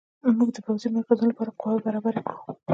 موږ د پوځي مرکزونو لپاره قواوې برابرې کړو.